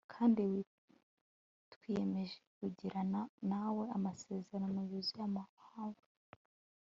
kandi twiyemeje kugirana namwe amasezerano yuzuye amahoro